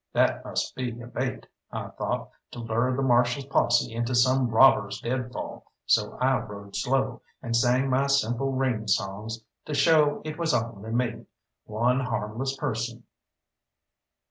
That must be a bait, I thought, to lure the Marshal's posse into some robbers' deadfall, so I rode slow, and sang my simple range songs to show it was only me, one harmless person.